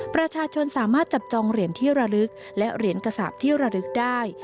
ประชาชนสามารถจับจองเหรียญที่ระลึกและเหรียญกระสาปที่ระลึกได้